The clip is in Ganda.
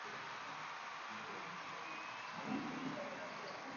Nga gavumenti yeefukuludde ku kiwandiiko ekibagoba mu malwaliro